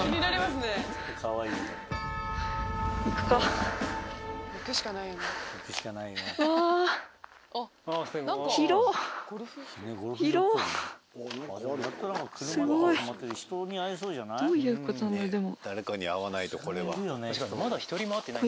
すごい！どういうことなんだろう？でも。